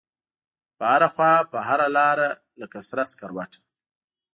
په هره خواپه هره لاره لکه سره سکروټه